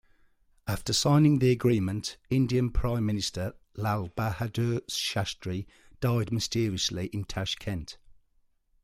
After signing the agreement, Indian Prime Minister Lal Bahadur Shastri died mysteriously in Tashkent.